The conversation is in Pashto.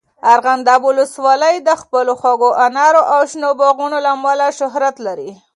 ارغنداب ولسوالۍ د خپلو خوږو انارو او شنو باغونو له امله شهرت لري.